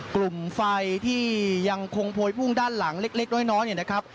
กลุ่มไฟที่ยังคงโพยพุ่งด้านหลังเล็กน้อยเนี่ยนะครับ